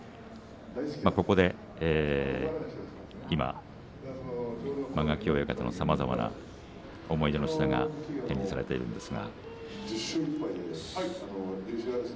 ここで今、間垣親方のさまざまな思い出の品が展示されています。